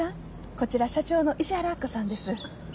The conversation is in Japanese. こちら社長の石原明子さんです。